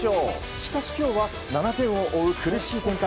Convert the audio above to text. しかし今日は７点を追う苦しい展開。